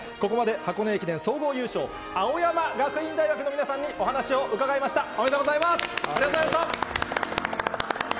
ここまで箱根駅伝総合優勝青山学院大学の皆さんにお話を伺いました。